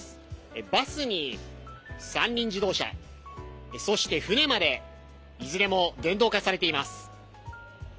バスに三輪自動車そして、船までいずれも電動化されています。